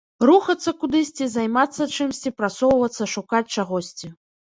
Рухацца кудысьці, займацца чымсьці, прасоўвацца, шукаць чагосьці.